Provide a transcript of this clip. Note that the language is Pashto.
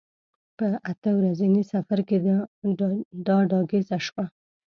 په اته ورځني سفر کې دا ډاګیزه شوه.